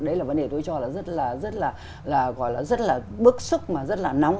đấy là vấn đề tôi cho là rất là gọi là rất là bức xúc mà rất là nóng